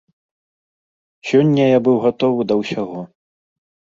Сёння я быў гатовы да ўсяго.